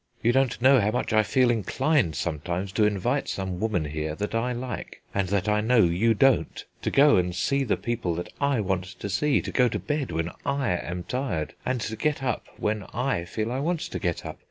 You don't know how much I feel inclined sometimes to invite some woman here that I like, and that I know you don't; to go and see the people that I want to see, to go to bed when I am tired, and to get up when I feel I want to get up.